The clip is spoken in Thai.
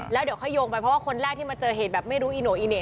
แล้วเดี๋ยวค่อยโยงไปเพราะว่าคนแรกที่มาเจอเหตุแบบไม่รู้อีโน่อีเหน่